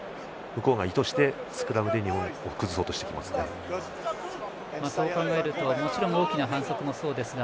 向こうが意図してスクラムで日本を崩そうとしてきますね。